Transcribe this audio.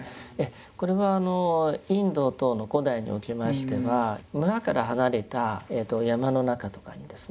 これはインド等の古代におきましては村から離れた山の中とかにですね